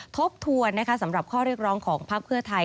ทบทวนสำหรับข้อเรียกร้องของพักเพื่อไทย